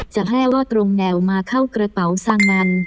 จะให้ว่าตรงแนวมาเข้ากระเป๋าซั้นมัน